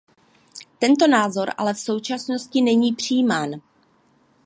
Tento názor ale v současnosti není přijímán.